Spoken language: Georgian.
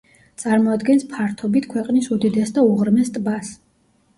წარმოადგენს ფართობით ქვეყნის უდიდეს და უღრმეს ტბას.